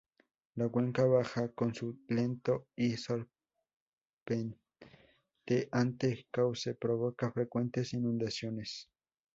La cuenca baja con su lento y serpenteante cauce provoca frecuentes inundaciones.